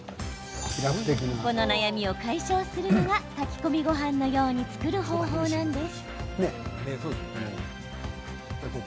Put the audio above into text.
この悩みを解消するのが炊き込みごはんのように作る方法なんです。